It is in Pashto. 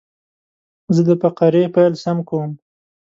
زه د فقرې پیل سم کوم.